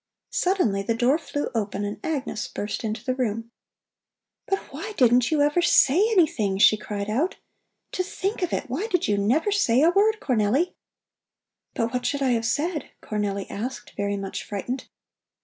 Suddenly the door flew open and Agnes burst into the room. "But why didn't you ever say anything?" she cried out. "To think of it! Why did you never say a word, Cornelli?" "But what should I have said?" Cornelli asked, very much frightened.